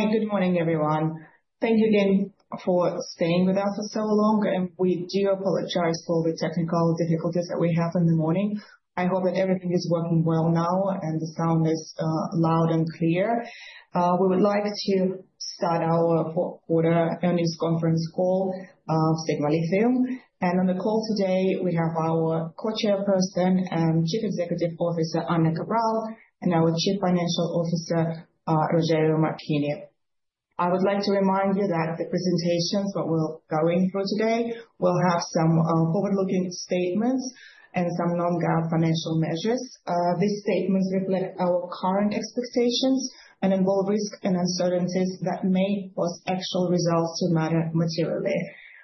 Hi, good morning, everyone. Thank you again for staying with us for so long, and we do apologize for the technical difficulties that we had in the morning. I hope that everything is working well now and the sound is loud and clear. We would like to start our fourth quarter earnings conference call of Sigma Lithium. On the call today, we have our Co-chairperson and Chief Executive Officer, Ana Cabral, and our Chief Financial Officer, Rogério Marchini. I would like to remind you that the presentations that we're going through today will have some forward-looking statements and some non-GAAP financial measures. These statements reflect our current expectations and involve risks and uncertainties that may cause actual results to matter materially.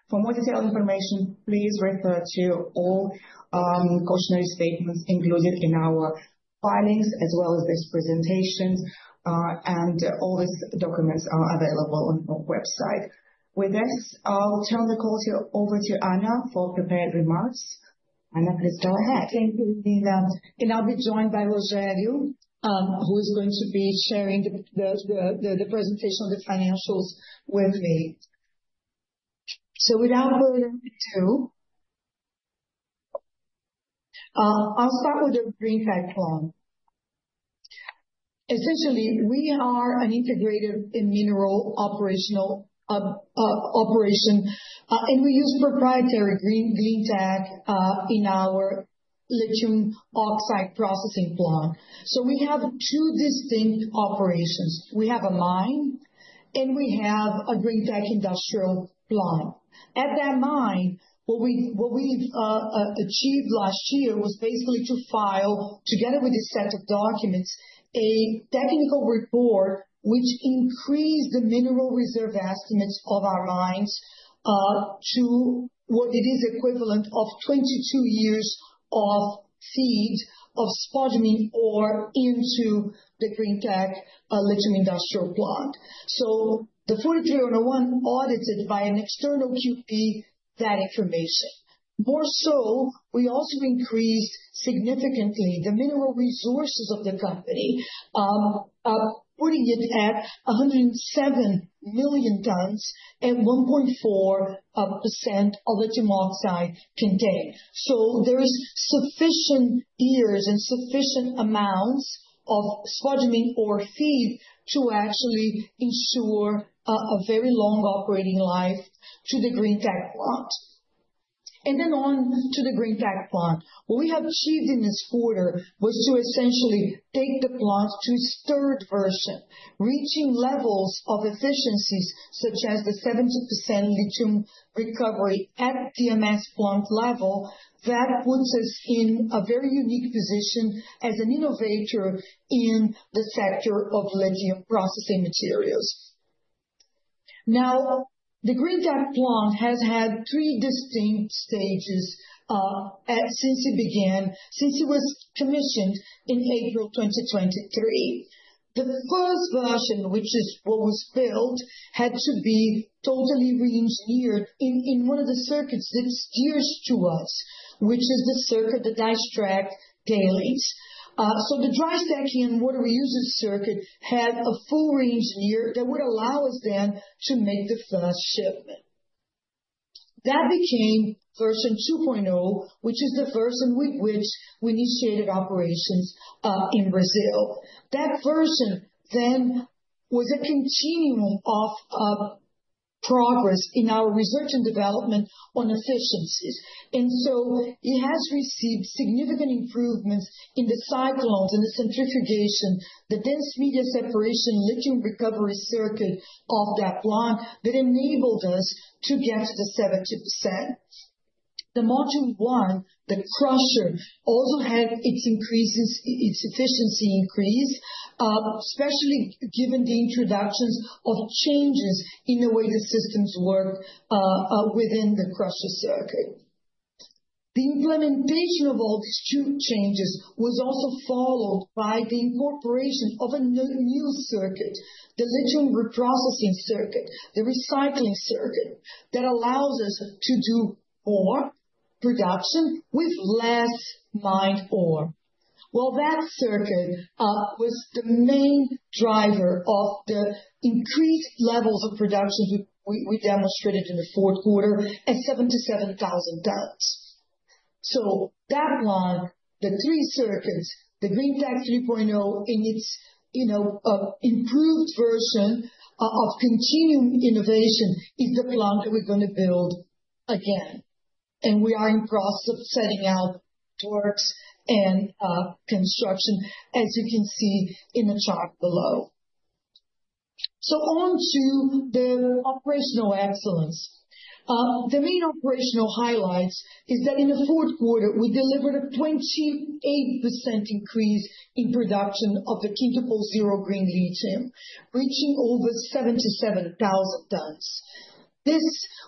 For more detailed information, please refer to all cautionary statements included in our filings, as well as these presentations, and all these documents are available on our website. With this, I'll turn the call over to Ana for prepared remarks. Ana, please go ahead. Thank you,. I'll be joined by Rogério, who is going to be sharing the presentation on the financials with me. Without further ado, I'll start with the Greentech plan. Essentially, we are an integrated mineral operation, and we use proprietary Greentech in our lithium oxide processing plant. We have two distinct operations. We have a mine, and we have a Greentech industrial plant. At that mine, what we achieved last year was basically to file, together with this set of documents, a technical report which increased the mineral reserve estimates of our mines to what is equivalent of 22 years of feed of spodumene ore into the Greentech lithium industrial plant. The 43-101 audited by an external QP that information. More so, we also increased significantly the mineral resources of the company, putting it at 107 million tons and 1.4% of lithium oxide contained. There is sufficient years and sufficient amounts of spodumene ore feed to actually ensure a very long operating life to the Greentech plant. What we have achieved in this quarter was to essentially take the plant to its third version, reaching levels of efficiencies such as the 70% lithium recovery at the DMS plant level that puts us in a very unique position as an innovator in the sector of lithium processing materials. The Greentech plant has had three distinct stages since it began, since it was commissioned in April 2023. The first version, which is what was built, had to be totally re-engineered in one of the circuits that's dearest to us, which is the circuit, the dry stack tailings. The dry stacking and water reusage circuit had a full re-engineer that would allow us then to make the first shipment. That became version 2.0, which is the version with which we initiated operations in Brazil. That version was a continuum of progress in our research and development on efficiencies. It has received significant improvements in the cyclones and the centrifugation, the dense media separation lithium recovery circuit of that plant that enabled us to get to the 70%. The module one, the crusher, also had its efficiency increase, especially given the introductions of changes in the way the systems work within the crusher circuit. The implementation of all these two changes was also followed by the incorporation of a new circuit, the lithium reprocessing circuit, the recycling circuit that allows us to do more production with less mine ore. That circuit was the main driver of the increased levels of production we demonstrated in the fourth quarter at 77,000 tons. That plant, the three circuits, the Greentech 3.0 in its improved version of continuum innovation is the plant that we're going to build again. We are in process of setting out works and construction, as you can see in the chart below. On to the operational excellence. The main operational highlights is that in the fourth quarter, we delivered a 28% increase in production of the carbon-zero green lithium, reaching over 77,000 tons. This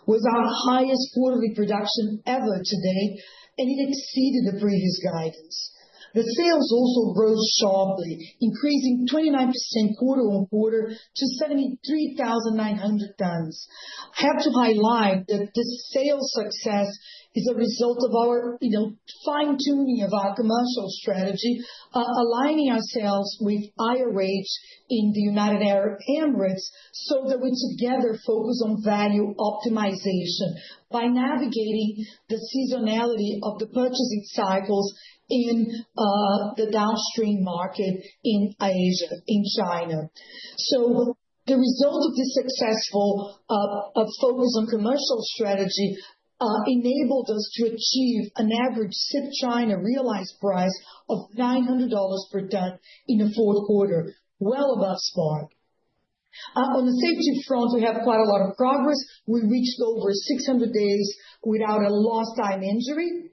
was our highest quarterly production ever to date, and it exceeded the previous guidance. The sales also rose sharply, increasing 29% quarter on quarter to 73,900 tons. I have to highlight that this sales success is a result of our fine-tuning of our commercial strategy, aligning ourselves with IRH in the United Arab Emirates so that we together focus on value optimization by navigating the seasonality of the purchasing cycles in the downstream market in Asia, in China. The result of this successful focus on commercial strategy enabled us to achieve an average CIF China realized price of $900 per ton in the fourth quarter, well above spot. On the safety front, we have quite a lot of progress. We reached over 600 days without a lost time injury.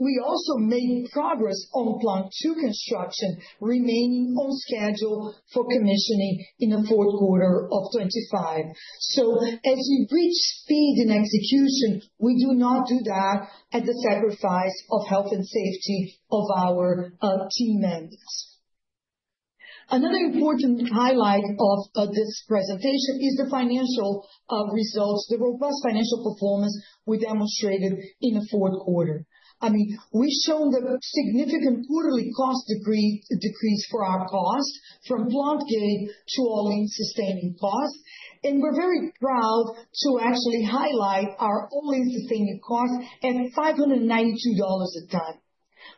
We also made progress Plant 2 construction, remaining on schedule for commissioning in the fourth quarter of 2025. As we reach speed and execution, we do not do that at the sacrifice of health and safety of our team members. Another important highlight of this presentation is the financial results, the robust financial performance we demonstrated in the fourth quarter. I mean, we've shown the significant quarterly cost decrease for our cost from plant gate to all-in sustaining costs. We're very proud to actually highlight our all-in sustaining costs at $592 a ton.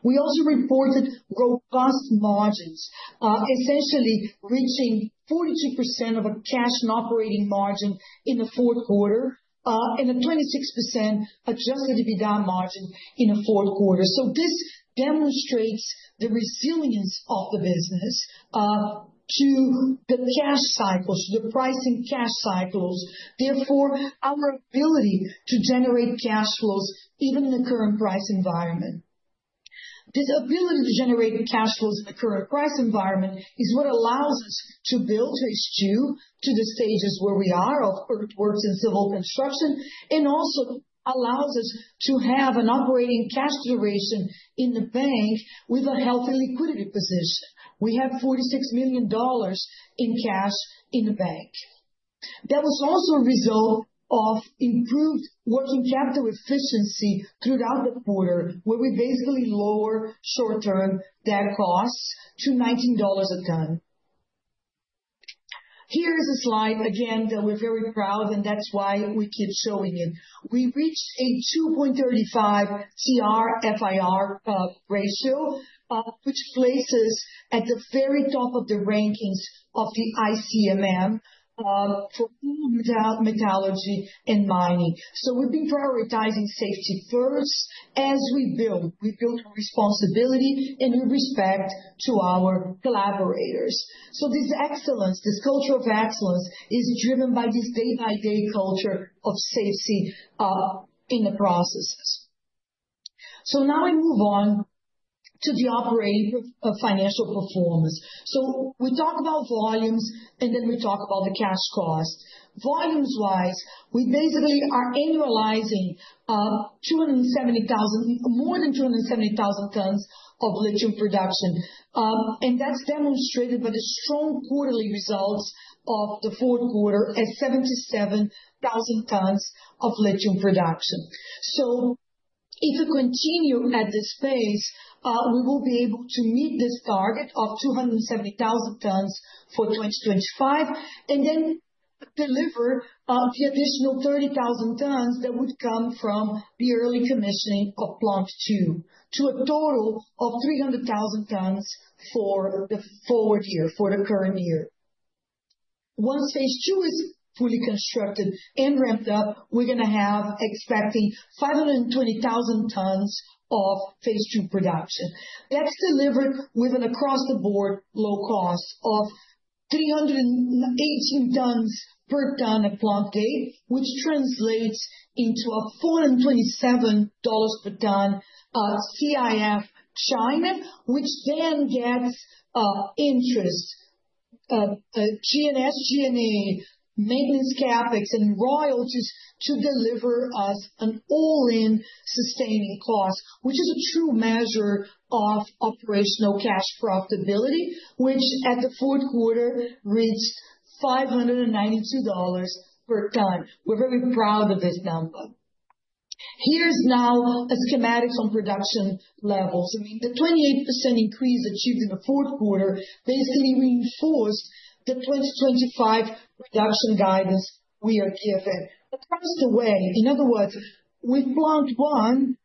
We also reported robust margins, essentially reaching 42% of a cash and operating margin in the fourth quarter and a 26% Adjusted EBITDA margin in the fourth quarter. This demonstrates the resilience of the business to the cash cycles, the pricing cash cycles. Therefore, our ability to generate cash flows even in the current price environment. This ability to generate cash flows in the current price environment is what allows us to build to H2 to the stages where we are of work in civil construction and also allows us to have an operating cash duration in the bank with a healthy liquidity position. We have $46 million in cash in the bank. That was also a result of improved working capital efficiency throughout the quarter, where we basically lower short-term debt costs to $19 a ton. Here is a slide again that we're very proud of, and that's why we keep showing it. We reached a 2.35 TRIFR ratio, which places at the very top of the rankings of the ICMM for all metallurgy and mining. We have been prioritizing safety first as we build. We build our responsibility and with respect to our collaborators. This excellence, this culture of excellence is driven by this day-by-day culture of safety in the processes. Now I move on to the operating financial performance. We talk about volumes, and then we talk about the cash cost. Volumes-wise, we basically are annualizing more than 270,000 tons of lithium production. That's demonstrated by the strong quarterly results of the fourth quarter at 77,000 tons of lithium production. If we continue at this pace, we will be able to meet this target of 270,000 tons for 2025 and then deliver the additional 30,000 tons that would come from the early commissioning Plant 2 to a total of 300,000 tons for the forward year, for the current year. Once phase two is fully constructed and ramped up, we're going to have expecting 520,000 tons of phase two production. That's delivered with an across-the-board low cost of $318 per ton at plant gate, which translates into a $427 per ton CIF China, which then gets interest, SG&A, maintenance CapEx, and royalties to deliver us an all-in sustaining cost, which is a true measure of operational cash profitability, which at the fourth quarter reached $592 per ton. We're very proud of this number. Here's now a schematic on production levels. I mean, the 28% increase achieved in the fourth quarter basically reinforced the 2025 production guidance we are given. Across the way, in other words, Plant 1,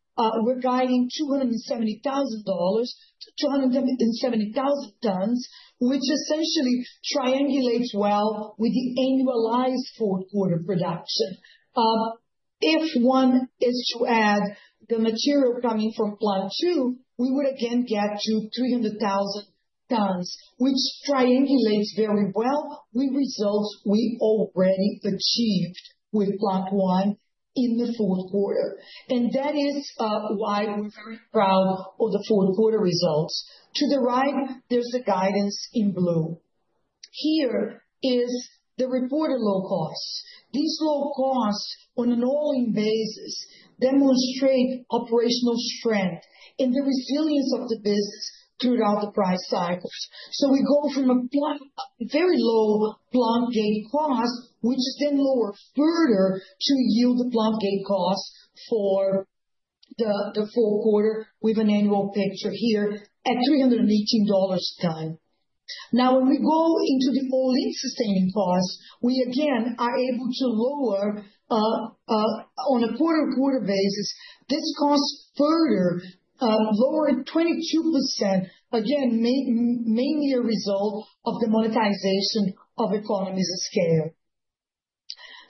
we're guiding 270,000 to 270,000 tons, which essentially triangulates well with the annualized fourth quarter production. If one is to add the material coming Plant 2, we would again get to 300,000 tons, which triangulates very well with results we already achieved Plant 1 in the fourth quarter. That is why we're very proud of the fourth quarter results. To the right, there's the guidance in blue. Here is the reported low costs. These low costs on an all-in basis demonstrate operational strength and the resilience of the business throughout the price cycles. We go from a very low plant gate cost, which is then lowered further to yield the plant gate cost for the fourth quarter with an annual picture here at $318 a ton. Now, when we go into the all-in sustaining cost, we again are able to lower on a quarter-quarter basis. This cost further lowered 22%, again, mainly a result of the monetization of economies of scale.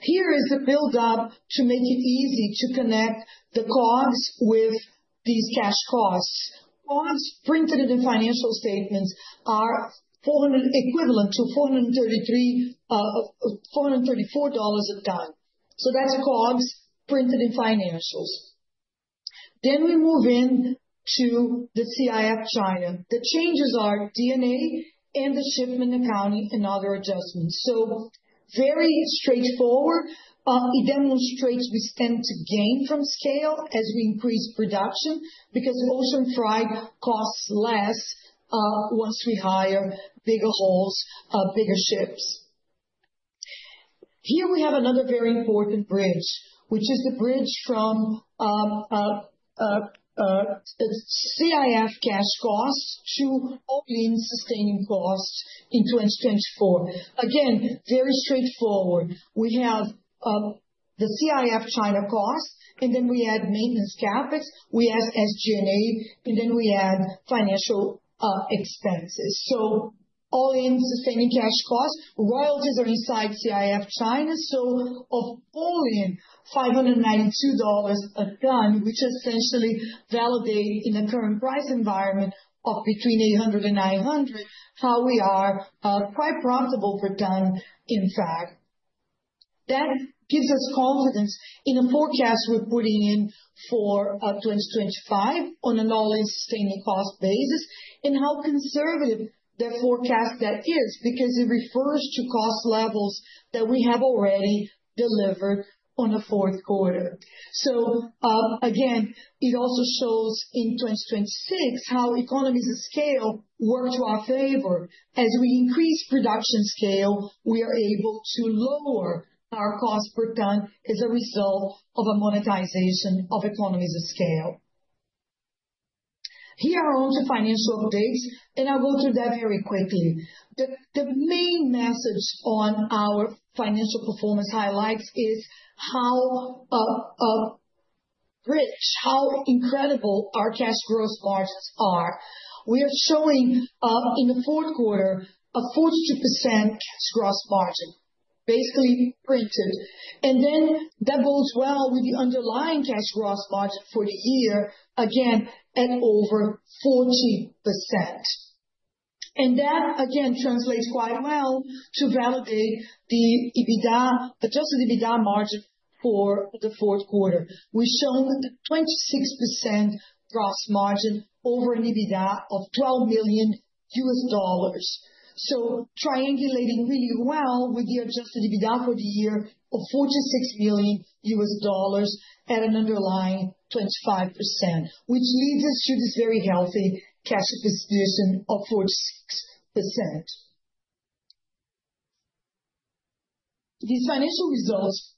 Here is the build-up to make it easy to connect the COGS with these cash costs. COGS printed in financial statements are equivalent to $434 a ton. That's COGS printed in financials. We move in to the CIF China. The changes are D&A and the shipment accounting and other adjustments. Very straightforward, it demonstrates we stand to gain from scale as we increase production because ocean freight costs less once we hire bigger hauls, bigger ships. Here we have another very important bridge, which is the bridge from CIF cash costs to all-in sustaining costs in 2024. Again, very straightforward. We have the CIF China cost, and then we add maintenance CapEx. We add SG&A, and then we add financial expenses. All-in sustaining cash costs. Royalties are inside CIF China. Of all-in, $592 a ton, which essentially validates in the current price environment of between $800 and $900, how we are quite profitable per ton, in fact. That gives us confidence in the forecast we are putting in for 2025 on an all-in sustaining cost basis and how conservative the forecast that is because it refers to cost levels that we have already delivered on the fourth quarter. It also shows in 2026 how economies of scale work to our favor. As we increase production scale, we are able to lower our cost per ton as a result of a monetization of economies of scale. Here are all the financial updates, and I will go through that very quickly. The main message on our financial performance highlights is how rich, how incredible our cash gross margins are. We are showing in the fourth quarter a 42% cash gross margin, basically printed. That bodes well with the underlying cash gross margin for the year, again, at over 40%. That, again, translates quite well to validate the Adjusted EBITDA margin for the fourth quarter. We've shown a 26% gross margin over an EBITDA of $12 million U.S. dollars. Triangulating really well with the Adjusted EBITDA for the year of $46 million U.S. dollars at an underlying 25%, which leads us to this very healthy cash position of 46%. These financial results,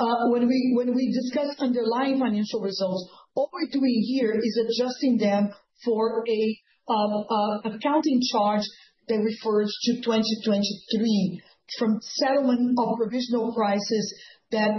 when we discuss underlying financial results, all we're doing here is adjusting them for an accounting charge that refers to 2023 from settlement of provisional prices that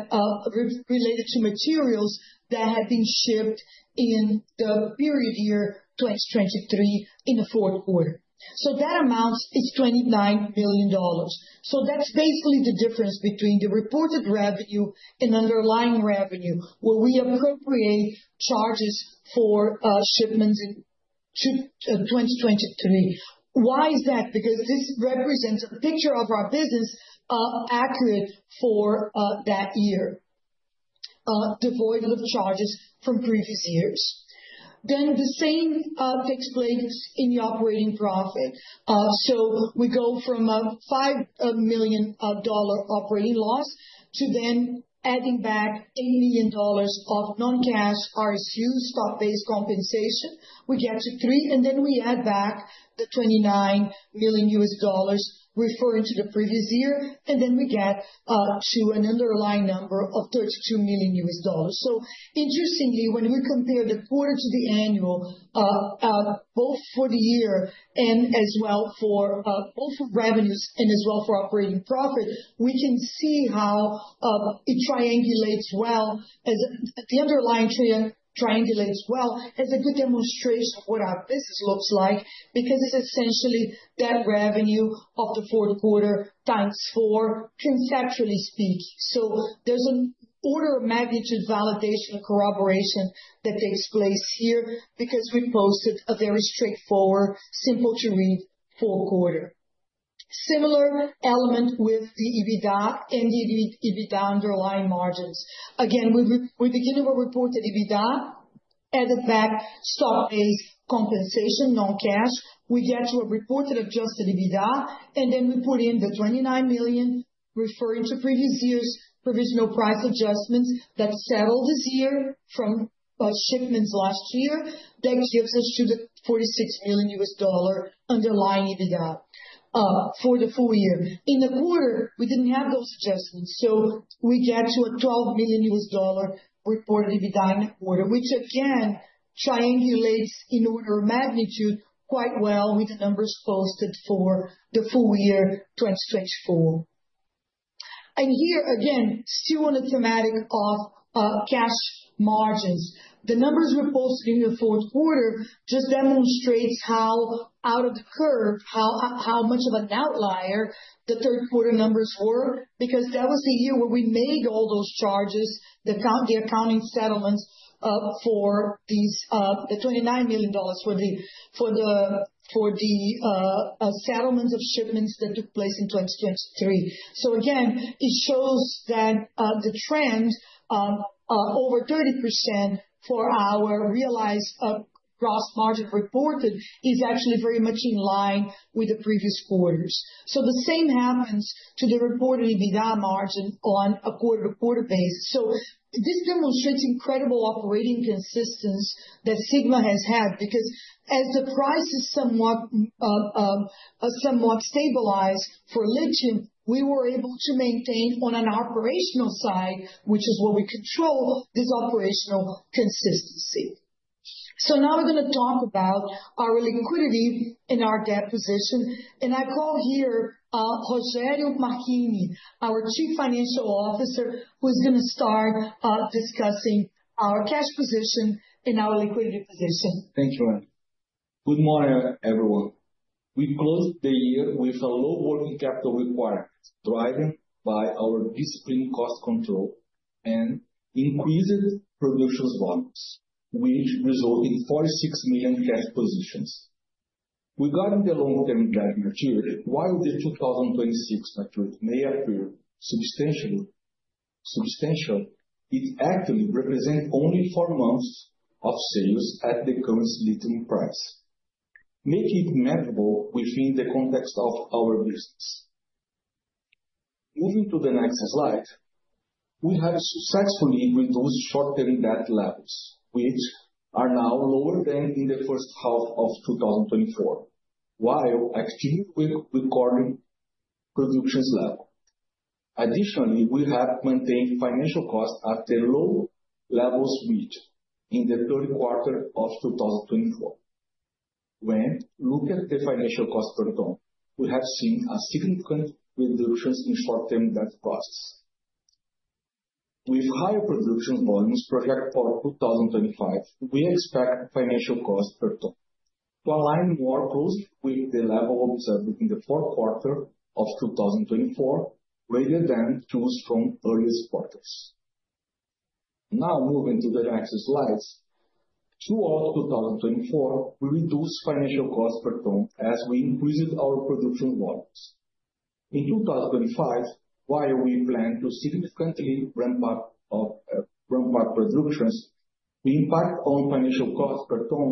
related to materials that had been shipped in the period year 2023 in the fourth quarter. That amounts to $29 million. That's basically the difference between the reported revenue and underlying revenue where we appropriate charges for shipments in 2023. Why is that? Because this represents a picture of our business accurate for that year, devoided of charges from previous years. The same takes place in the operating profit. We go from a $5 million operating loss to adding back $8 million of non-cash RSU, stock-based compensation. We get to three, and we add back the $29 million U.S. dollars referring to the previous year, and we get to an underlying number of $32 million U.S. dollars. Interestingly, when we compare the quarter to the annual, both for the year and for both revenues and for operating profit, we can see how it triangulates well. The underlying triangulates well as a good demonstration of what our business looks like because it is essentially that revenue of the fourth quarter times four, conceptually speaking. There is an order of magnitude validation and corroboration that takes place here because we posted a very straightforward, simple-to-read fourth quarter. Similar element with the EBITDA and the EBITDA underlying margins. Again, we begin with a reported EBITDA, added back stock-based compensation, non-cash. We get to a reported Adjusted EBITDA, and then we put in the $29 million referring to previous year's provisional price adjustments that settled this year from shipments last year that gives us to the $46 million U.S. dollar underlying EBITDA for the full year. In the quarter, we did not have those adjustments. We get to a $12 million U.S. dollar reported EBITDA in the quarter, which again triangulates in order of magnitude quite well with the numbers posted for the full year 2024. Here, again, still on the thematic of cash margins. The numbers we're posting in the fourth quarter just demonstrates how out of the curve, how much of an outlier the third quarter numbers were because that was the year where we made all those charges, the accounting settlements for the $29 million for the settlements of shipments that took place in 2023. Again, it shows that the trend over 30% for our realized gross margin reported is actually very much in line with the previous quarters. The same happens to the reported EBITDA margin on a quarter-to-quarter basis. This demonstrates incredible operating consistence that Sigma Lithium has had because as the prices somewhat stabilized for lithium, we were able to maintain on an operational side, which is what we control, this operational consistency. Now we're going to talk about our liquidity and our debt position. I call here Rogério Marchini, our Chief Financial Officer, who is going to start discussing our cash position and our liquidity position. Thank you, Ana. Good morning, everyone. We closed the year with a low working capital requirement driven by our disciplined cost control and increased production volumes, which resulted in a $46 million cash position. Regarding the long-term debt maturity, while the 2026 maturity may appear substantial, it actually represents only four months of sales at the current lithium price, making it measurable within the context of our business. Moving to the next slide, we have successfully reduced short-term debt levels, which are now lower than in the first half of 2024, while continuing with recording production level. Additionally, we have maintained financial costs at the low levels reached in the third quarter of 2024. When we look at the financial cost per ton, we have seen significant reductions in short-term debt costs. With higher production volumes projected for 2025, we expect financial costs per ton to align more closely with the level observed in the fourth quarter of 2024 rather than those from earlier quarters. Now, moving to the next slides. Throughout 2024, we reduced financial costs per ton as we increased our production volumes. In 2025, while we plan to significantly ramp up production, the impact on financial costs per ton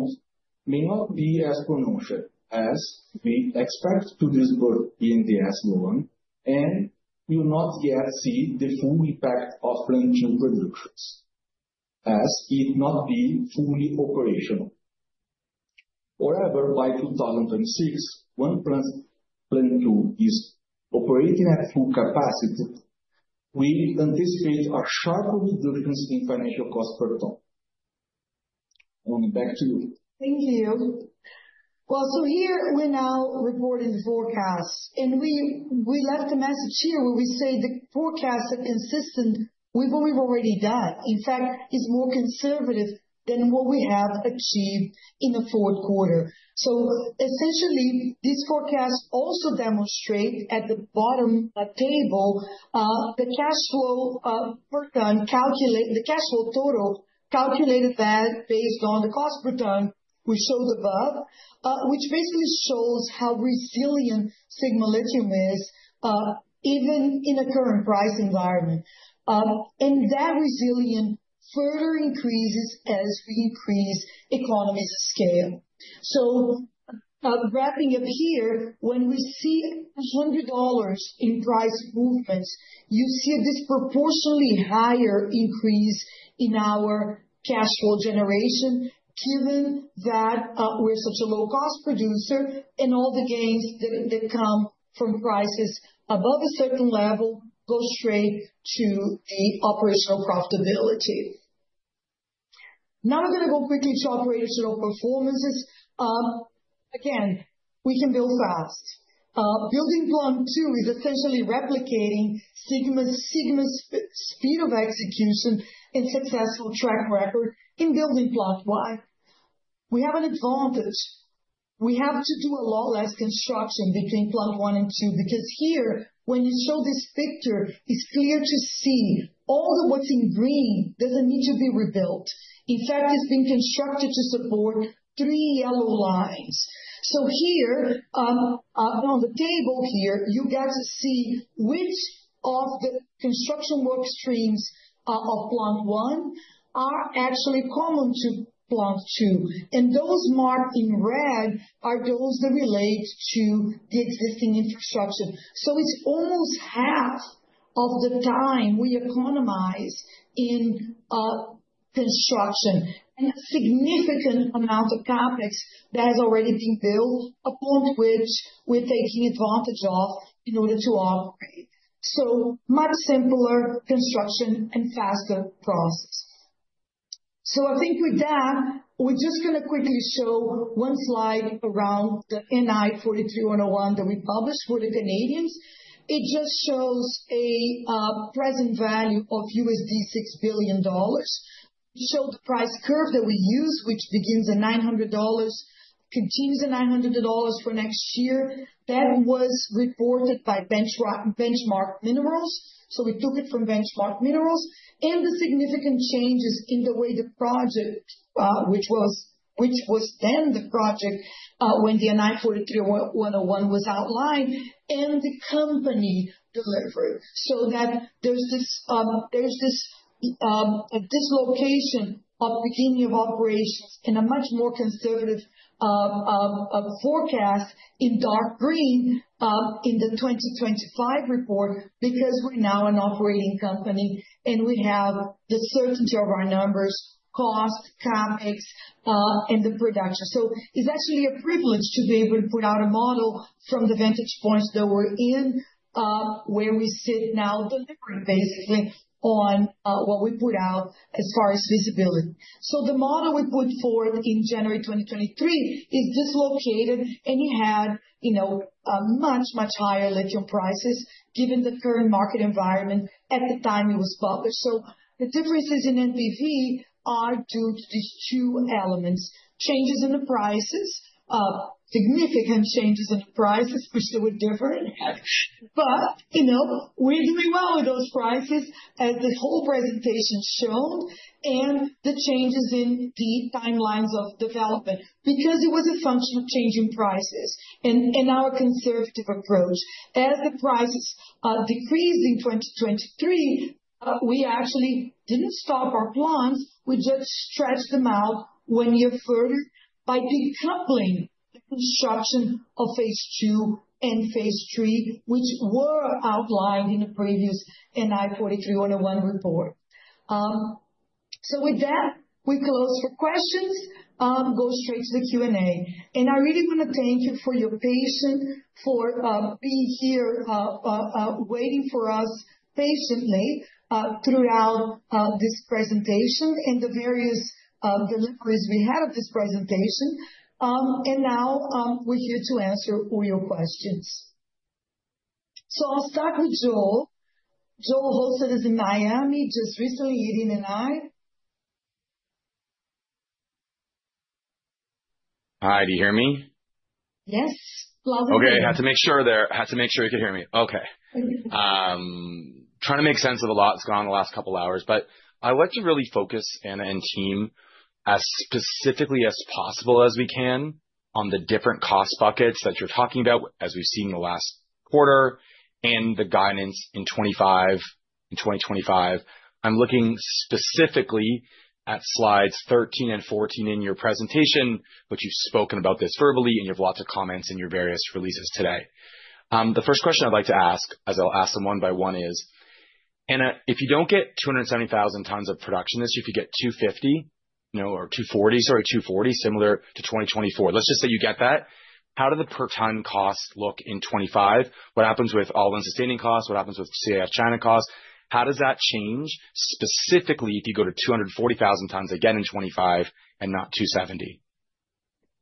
may not be as pronounced as we expect due to this BNDES loan, and we will not yet see the full impact of lithium production as it will not be fully operational. However, by 2026, when Plant 2 is operating at full capacity, we anticipate a sharp reduction in financial costs per ton. Ana, back to you. Thank you. Here we're now reporting the forecast, and we left a message here where we say the forecast that consistent with what we've already done, in fact, is more conservative than what we have achieved in the fourth quarter. Essentially, this forecast also demonstrates at the bottom table, the cash flow per ton calculated, the cash flow total calculated based on the cost per ton we showed above, which basically shows how resilient Sigma Lithium is even in a current price environment. That resilience further increases as we increase economies of scale. Wrapping up here, when we see $100 in price movements, you see a disproportionately higher increase in our cash flow generation given that we're such a low-cost producer and all the gains that come from prices above a certain level go straight to the operational profitability. Now we're going to go quickly to operational performances. Again, we can build fast. Building Plant 2 is essentially replicating Sigma's speed of execution and successful track record in building Plant 1. We have an advantage. We have to do a lot less construction between Plant 1 and 2 because here, when you show this picture, it's clear to see all that what's in green doesn't need to be rebuilt. In fact, it's been constructed to support three yellow lines. Here, on the table here, you get to see which of the construction work streams of Plant 1 are actually common to Plant 2. Those marked in red are those that relate to the existing infrastructure. It's almost half of the time we economize in construction and a significant amount of CapEx that has already been built, upon which we're taking advantage of in order to operate. Much simpler construction and faster process. I think with that, we're just going to quickly show one slide around the NI 43-101 that we published for the Canadians. It just shows a present value of $6 billion. We show the price curve that we use, which begins at $900, continues at $900 for next year. That was reported by Benchmark Minerals. We took it from Benchmark Minerals. The significant changes in the way the project, which was then the project when the NI 43-101 was outlined, and the company delivered. There is this dislocation of beginning of operations in a much more conservative forecast in dark green in the 2025 report because we're now an operating company and we have the certainty of our numbers, cost, CapEx, and the production. It's actually a privilege to be able to put out a model from the vantage points that we're in, where we sit now delivering basically on what we put out as far as visibility. The model we put forth in January 2023 is dislocated and you had much, much higher lithium prices given the current market environment at the time it was published. The differences in NPV are due to these two elements. Changes in the prices, significant changes in the prices, which they were different. We're doing well with those prices as the whole presentation showed and the changes in the timelines of development because it was a function of changing prices and our conservative approach. As the prices decreased in 2023, we actually didn't stop our plans. We just stretched them out one year further by decoupling the construction of phase 2 and phase 3, which were outlined in the previous NI 43-101 report. With that, we close for questions, go straight to the Q&A. I really want to thank you for your patience, for being here waiting for us patiently throughout this presentation and the various deliveries we had of this presentation. Now we're here to answer all your questions. I'll start with Joel. Joel Holsett is in Miami just recently, Irina and I. Hi, do you hear me? Yes, loud and clear. Okay, I had to make sure there, had to make sure you could hear me. Okay. Trying to make sense of a lot that's gone in the last couple of hours, but I like to really focus, Ana and team, as specifically as possible as we can on the different cost buckets that you're talking about as we've seen in the last quarter and the guidance in 2025. I'm looking specifically at slides 13 and 14 in your presentation, but you've spoken about this verbally and you have lots of comments in your various releases today. The first question I'd like to ask, as I'll ask them one by one, is, Ana, if you don't get 270,000 tons of production this year, if you get 250, or 240, sorry, 240, similar to 2024, let's just say you get that, how do the per ton costs look in 2025? What happens with all-in sustaining costs? What happens with CIF China costs? How does that change specifically if you go to 240,000 tons again in 2025 and not 270,000?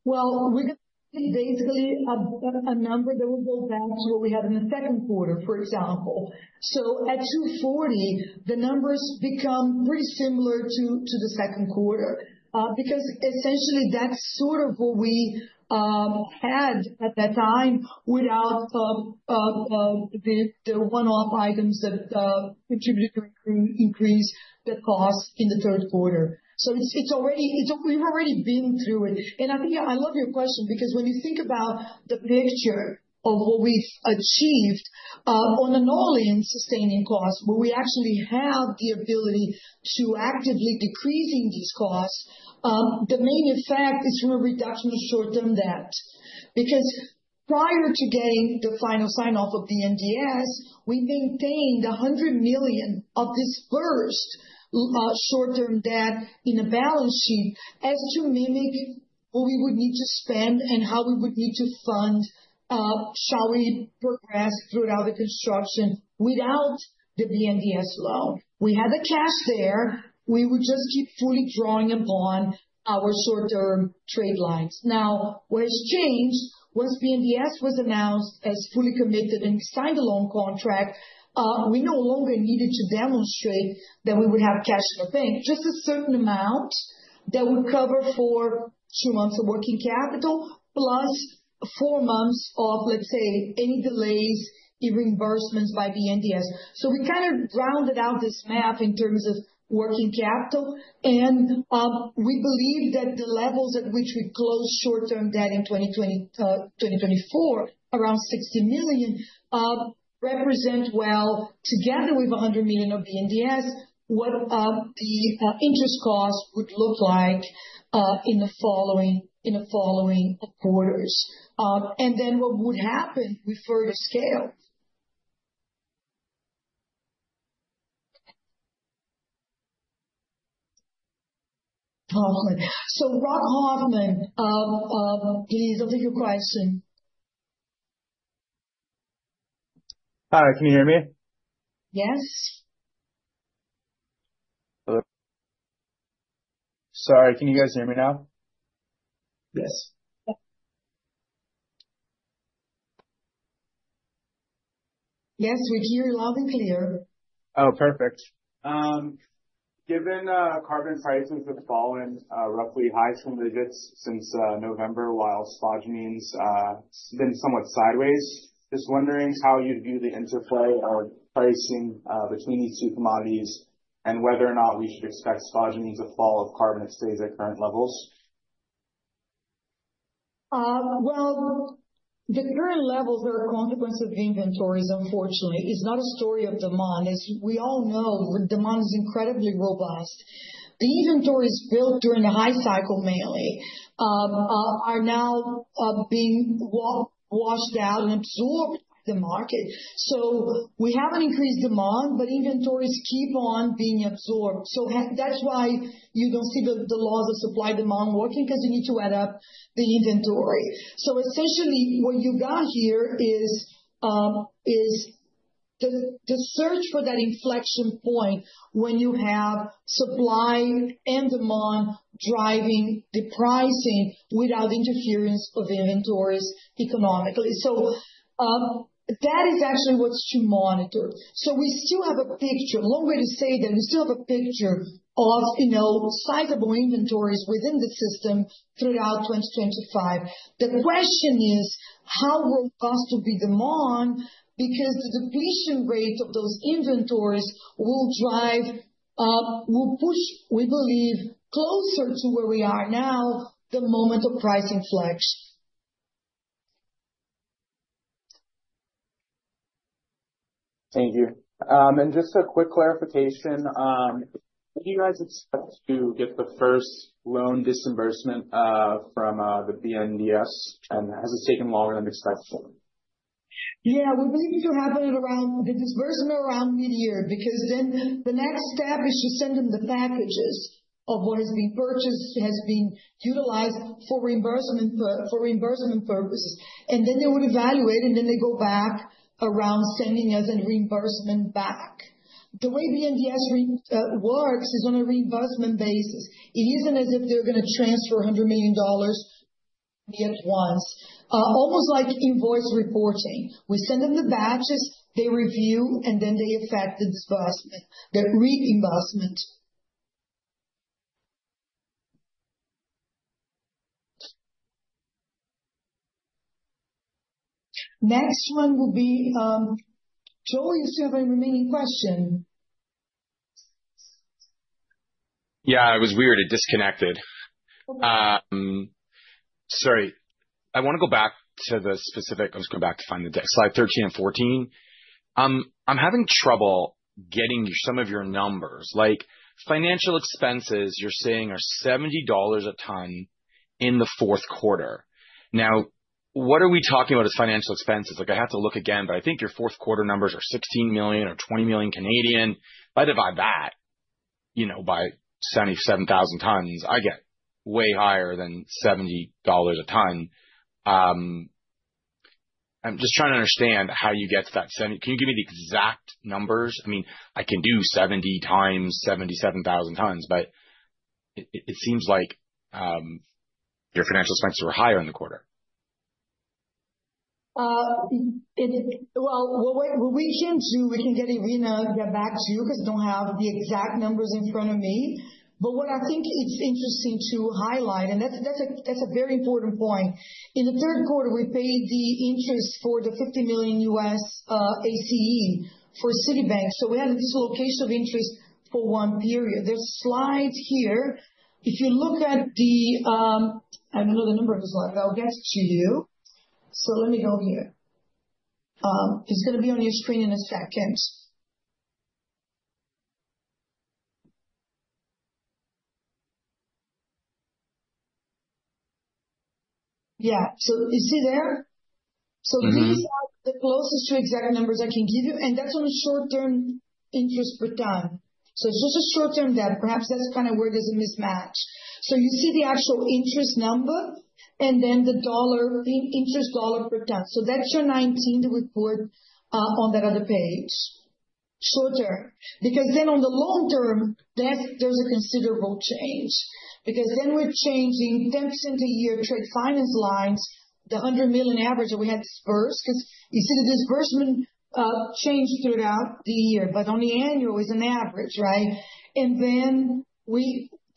We're going to see basically a number that will go back to what we had in the second quarter, for example. At 240,000, the numbers become pretty similar to the second quarter because essentially that's sort of what we had at that time without the one-off items that contributed to increase the cost in the third quarter. We've already been through it. I love your question because when you think about the picture of what we've achieved on an all-in sustaining cost, where we actually have the ability to actively decrease these costs, the main effect is from a reduction of short-term debt. Because prior to getting the final sign-off of BNDES, we maintained $100 million of this burst short-term debt in a balance sheet as to mimic what we would need to spend and how we would need to fund, shall we progress throughout the construction without the BNDES loan. We had the cash there. We would just keep fully drawing upon our short-term trade lines. Now, what has changed was BNDES was announced as fully committed and signed a loan contract. We no longer needed to demonstrate that we would have cash in the bank, just a certain amount that would cover for two months of working capital, plus four months of, let's say, any delays, reimbursements by BNDES. We kind of rounded out this math in terms of working capital. We believe that the levels at which we closed short-term debt in 2024, around $60 million, represent well together with $100 million of BNDES, what the interest cost would look like in the following quarters. What would happen with further scale? Rock Hoffman, please, I'll take your question. Hi, can you hear me? Yes. Hello. Sorry, can you guys hear me now? Yes. Yes, we hear you loud and clear. Oh, perfect. Given carbon prices have fallen roughly high single digits since November while spodumene has been somewhat sideways, just wondering how you'd view the interplay of pricing between these two commodities and whether or not we should expect spodumene to fall if carbon stays at current levels. The current levels are a consequence of the inventories, unfortunately. It's not a story of demand. As we all know, demand is incredibly robust. The inventories built during the high cycle mainly are now being washed out and absorbed by the market. We have an increased demand, but inventories keep on being absorbed. That is why you do not see the laws of supply-demand working because you need to add up the inventory. Essentially, what you got here is the search for that inflection point when you have supply and demand driving the pricing without interference of inventories economically. That is actually what is to monitor. We still have a picture. Long way to say that we still have a picture of sizable inventories within the system throughout 2025. The question is how robust will be demand because the depletion rate of those inventories will push, we believe, closer to where we are now, the moment of price inflection. Thank you. Just a quick clarification. Do you guys expect to get the first loan disbursement from the BNDES? Has it taken longer than expected? Yeah, we're waiting to have it around the disbursement around mid-year because the next step is to send them the packages of what has been purchased, has been utilized for reimbursement purposes. They would evaluate, and they go back around sending us a reimbursement back. The way BNDES works is on a reimbursement basis. It isn't as if they're going to transfer $100 million at once. Almost like invoice reporting. We send them the batches, they review, and then they affect the disbursement, the reimbursement. Next one will be Joel, you still have a remaining question? Yeah, it was weird. It disconnected. Sorry. I want to go back to the specific, I'm just going back to find the slide 13 and 14. I'm having trouble getting some of your numbers. Financial expenses, you're saying, are $70 a ton in the fourth quarter. Now, what are we talking about as financial expenses? I have to look again, but I think your fourth quarter numbers are 16 million or 20 million. If I divide that by 77,000 tons, I get way higher than $70 a ton. I'm just trying to understand how you get to that 70. Can you give me the exact numbers? I mean, I can do 70 times 77,000 tons, but it seems like your financial expenses were higher in the quarter. What we can do, we can get Irina to get back to you because I don't have the exact numbers in front of me. I think it's interesting to highlight, and that's a very important point. In the third quarter, we paid the interest for the $50 million U.S. ACC for Citibank. We had a dislocation of interest for one period. There is a slide here. If you look at the, I do not know the number of the slide. I will get it to you. Let me go here. It is going to be on your screen in a second. Yeah. You see there? These are the closest two exact numbers I can give you. That is on a short-term interest per ton. It is just a short-term debt. Perhaps that is kind of where there is a mismatch. You see the actual interest number and then the dollar interest dollar per ton. That is your 19th report on that other page. Short-term. Because then on the long term, there is a considerable change. Because then we're changing 10% a year trade finance lines, the $100 million average that we had dispersed because you see the disbursement change throughout the year, but only annual is an average, right?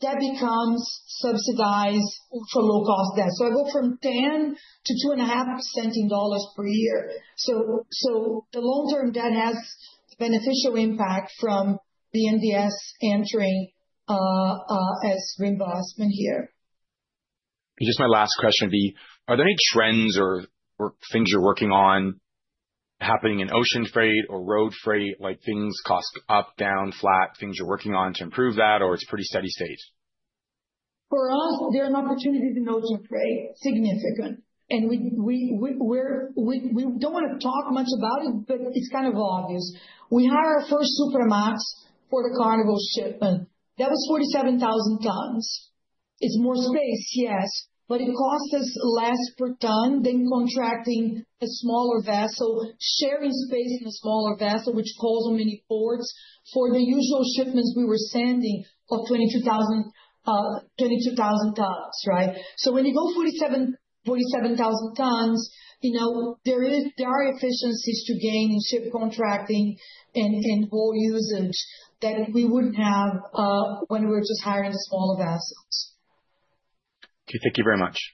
That becomes subsidized for low-cost debt. I go from 10% to 2.5% in dollars per year. The long-term debt has beneficial impact from BNDES entering as reimbursement here. Just my last question would be, are there any trends or things you're working on happening in ocean freight or road freight, like things cost up, down, flat, things you're working on to improve that, or it's pretty steady state? For us, there are opportunities in ocean freight, significant. We don't want to talk much about it, but it's kind of obvious. We hired our first Supramax for the Carnival shipment. That was 47,000 tons. It's more space, yes, but it costs us less per ton than contracting a smaller vessel, sharing space in a smaller vessel, which calls on many ports for the usual shipments we were sending of 22,000 tons, right? When you go 47,000 tons, there are efficiencies to gain in ship contracting and whole usage that we wouldn't have when we were just hiring smaller vessels.